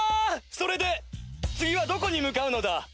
それで次はどこに向かうのだ？